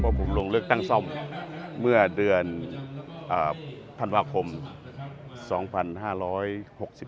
เราต้องเลือกตั้งซ่อมเมื่อเดือนพันวาคม๒๕๖๒ก็๓ปี๓ปีกับ๔ปี